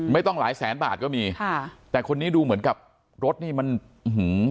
ไม่ต้องหลายแสนบาทก็มีค่ะแต่คนนี้ดูเหมือนกับรถนี่มันอื้อหือ